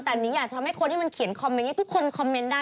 แต่อยากทำให้คอยที่เขียนทุกคนคอมเมนต์ได้